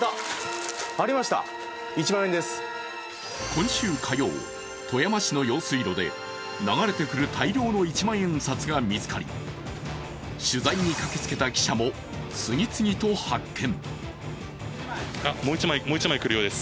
今週火曜、富山市の用水路で流れてくる大量の一万円札が見つかり取材に駆けつけた記者も次々と発見。